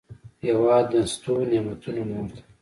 هېواد د شتو نعمتونو مور ده.